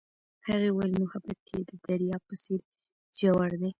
هغې وویل محبت یې د دریا په څېر ژور دی.